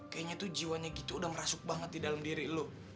kayaknya tuh jiwanya gitu udah merasuk banget di dalam diri lo